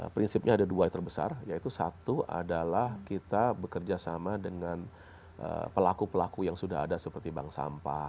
prinsipnya ada dua yang terbesar yaitu satu adalah kita bekerja sama dengan pelaku pelaku yang sudah ada seperti bank sampah